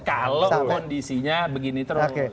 kalau kondisinya begini terus